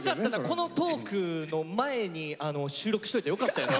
このトークの前に収録しといてよかったよな。